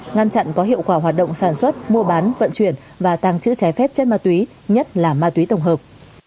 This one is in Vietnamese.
ngăn chặn có hiệu quả hoạt động sản xuất mua bán vận chuyển và tàng trữ trái phép chất ma túy nhất là ma túy tổng hợp